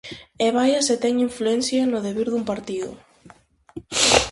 E vaia se ten influencia no devir dun partido.